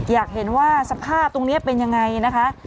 อยากเห็นว่าสภาพตรงนี้เป็นยังไงนะคะ